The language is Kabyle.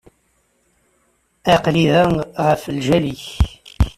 Aql-i da ɣef lǧal-ik.